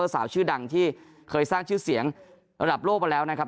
สาวชื่อดังที่เคยสร้างชื่อเสียงระดับโลกมาแล้วนะครับ